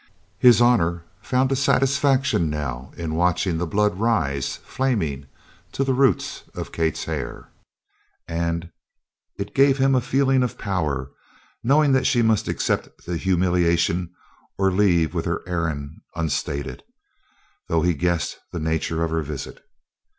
His Honor found a satisfaction now in watching the blood rise flaming to the roots of Kate's hair and it gave him a feeling of power knowing that she must accept the humiliation or leave with her errand unstated, though he guessed the nature of her visit.